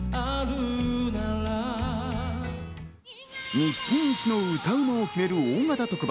日本一の歌うまを決める大型特番